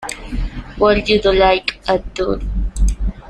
Would You Like a Tour?